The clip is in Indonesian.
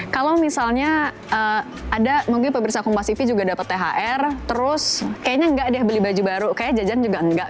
kalau misalnya ada mungkin pemirsa aku mbak sivi juga dapat thr terus kayaknya enggak deh beli baju baru kayaknya jajan juga enggak